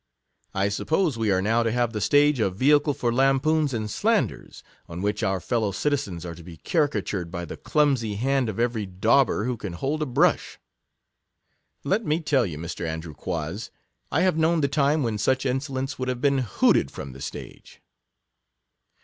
I suppose we are now to have the stage a vehicle for lampoons and slanders ; on which our fellow citizens are to be carica tured by the clumsy hand of every dauber who can hold a brush ! Let me tell you, Mr. Andrew Quoz, 1 have known the time when such insolence would have been hooted from the stage.